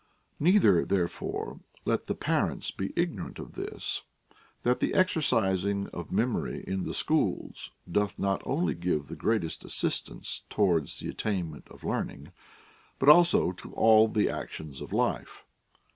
* Neither, therefore, let the parents be ignorant of this, that the exercising of memory in the schools doth not only give the greatest assistance towards the attainment of learning, but also to all the actions of life.